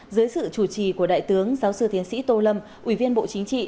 dưới sự chủ trì của đại tướng giáo sư tiến sĩ tô lâm ủy viên bộ chính trị